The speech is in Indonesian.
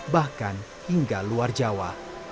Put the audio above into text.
bahkan hingga luar jawa